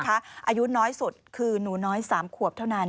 อายุน้อยสุดคือหนูน้อย๓ขวบเท่านั้น